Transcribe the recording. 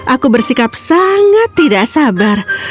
aku bersikap sangat tidak sabar